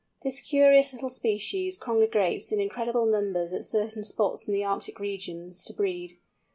This curious little species congregates in incredible numbers at certain spots in the Arctic regions, to breed.